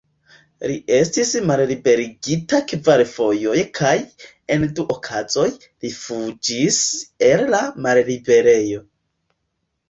Li estis malliberigita kvar fojojn kaj, en du okazoj, li fuĝis el la malliberejo.